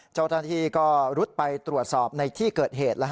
เจ้าหน้าที่ก็รุดไปตรวจสอบในที่เกิดเหตุ